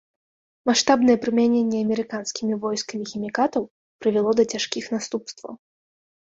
Маштабнае прымяненне амерыканскімі войскамі хімікатаў прывяло да цяжкіх наступстваў.